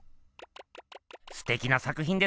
すてきな作ひんですね。